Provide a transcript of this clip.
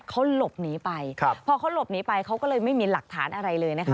เขาหลบหนีไปพอเขาหลบหนีไปเขาก็เลยไม่มีหลักฐานอะไรเลยนะคะ